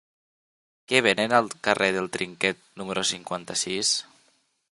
Què venen al carrer del Trinquet número cinquanta-sis?